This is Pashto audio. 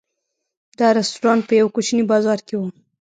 دا رسټورانټ په یوه کوچني بازار کې و.